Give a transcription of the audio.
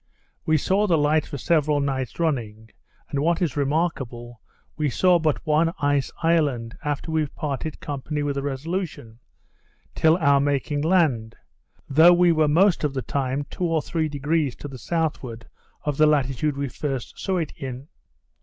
We saw the light for several nights running; and, what is remarkable, we saw but one ice island after we parted company with the Resolution, till our making land, though we were most of the time two or three degrees to the southward of the latitude we first saw it in.